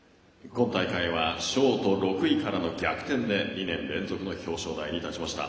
今大会はショート６位からの逆転で２年連続の表彰台に立ちました。